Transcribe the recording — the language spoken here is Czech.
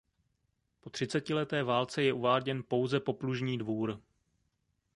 Po třicetileté válce je uváděn pouze poplužní dvůr.